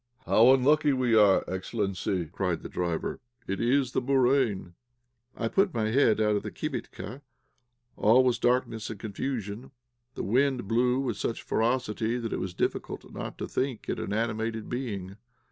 "How unlucky we are, excellency," cried the driver; "it is the bourane." I put my head out of the kibitka; all was darkness and confusion. The wind blew with such ferocity that it was difficult not to think it an animated being.